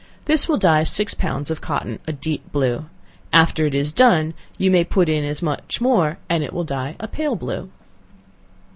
This will dye six pounds of cotton a deep blue. After it is done, you may put in as much more, and it will dye a pale blue.